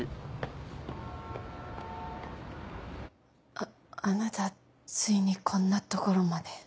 ああなたついにこんな所まで。